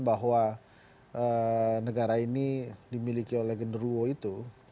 bahwa negara ini dimiliki oleh genruo itu